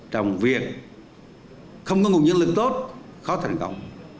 trong việc không có nguồn nhân lực tốt khó thành công